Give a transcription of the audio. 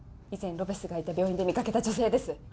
以前ロペスがいた病院で見かけた女性です